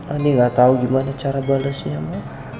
andi gak tau gimana cara balasnya ma